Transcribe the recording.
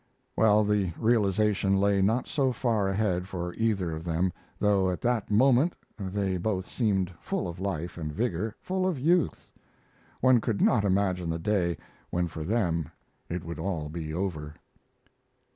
Well, the realization lay not so far ahead for either of them, though at that moment they both seemed full of life and vigor full of youth. One could not imagine the day when for them it would all be over.